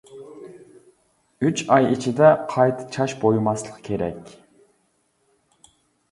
ئۈچ ئاي ئىچىدە قايتا چاچ بويىماسلىق كېرەك.